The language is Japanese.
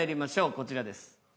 こちらです。